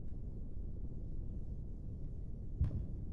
بادام د افغانستان د سیاسي جغرافیې یوه برخه ده.